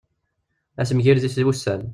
Asemgired-is i wussan.